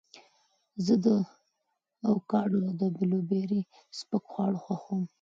زه د اوکاډو او بلوبېري سپک خواړه خوښوم.